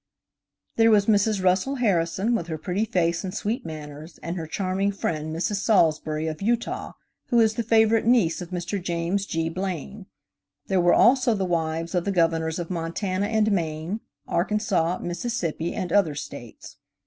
There was Mrs. Russell Harrison, with her pretty face and sweet manners, and her charming friend, Mrs. Salisbury, of Utah, who is the favorite niece of Mr. James G. Blaine. There were also the wives of the Governors of Montana and Maine, Arkansas, Mississippi, and other States.